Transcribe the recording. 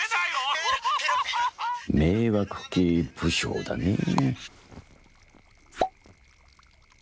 迷惑系武将だねえ。